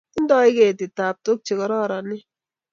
Tindoi ketit taptok che kororonen